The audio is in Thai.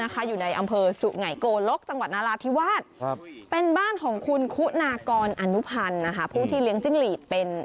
คุณชนะเดาออกมั้ยนี่คุณ